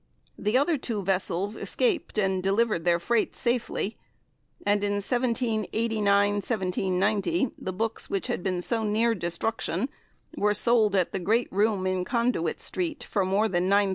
The other two vessels escaped and delivered their freight safely, and in 1789 90 the books which had been so near destruction were sold at the great room in Conduit Street, for more than L9,000.